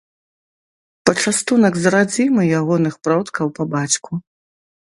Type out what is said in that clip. Пачастунак з радзімы ягоных продкаў па бацьку.